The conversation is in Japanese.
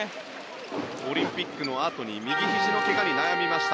オリンピックのあとに右ひじの怪我に悩みました。